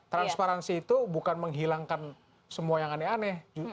transparansi itu bukan menghilangkan semua yang aneh aneh